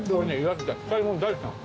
光り物大好きなの。